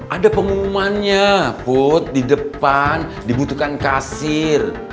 ada pengumumannya put di depan dibutuhkan kasir